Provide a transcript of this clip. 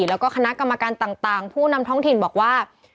แล้วก็คณะกรรมการต่างผู้นำท้องถิ่นบอกว่า